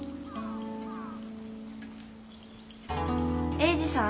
英治さん？